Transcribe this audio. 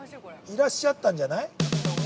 いらっしゃったんじゃない？